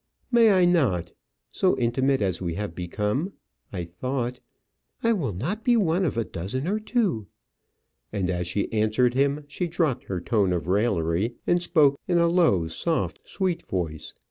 "May I not? So intimate as we have become, I thought " "I will not be one of a dozen or two." And as she answered him, she dropped her tone of raillery, and spoke in a low, soft, sweet voice.